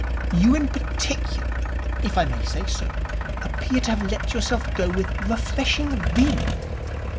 You in particular, if I may say so, appear to have let yourself go with refreshing vim.